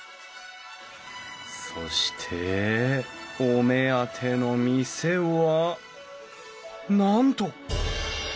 そしてお目当ての店はなんと！